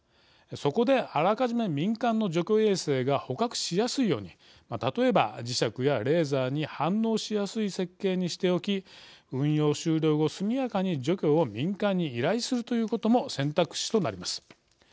そこで、あらかじめ民間の除去衛星が捕獲しやすいように例えば磁石やレーザーに反応しやすい設計にしておき運用終了後、速やかに除去を民間に依頼するということも選択肢となります。